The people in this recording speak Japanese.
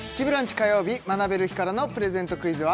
火曜日学べる日からのプレゼントクイズは？